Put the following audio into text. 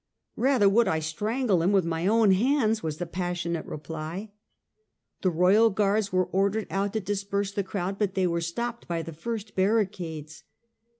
* Rather would I strangle him with my own hands, 1 was the passionate reply. The royal guards were ordered out to disperse the crowd, but they were stopped by the first barricades.